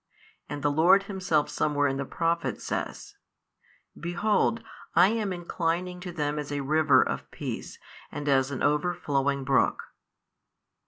And the Lord Himself somewhere in the prophets |544 says, Behold I am inclining to them as a river of peace and as an overflowing brook.